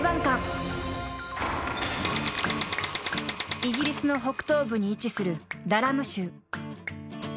［イギリスの北東部に位置するダラム州］